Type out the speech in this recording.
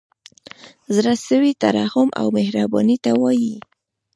زړه سوی ترحم او مهربانۍ ته وايي.